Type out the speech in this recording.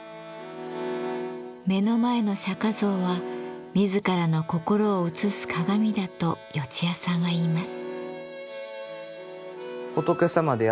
目の前の釈像は自らの心を映す鏡だと四津谷さんは言います。